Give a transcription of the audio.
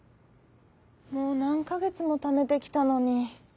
もうなんかげつもためてきたのに。